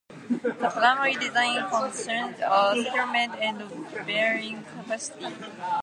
The primary design concerns are settlement and bearing capacity.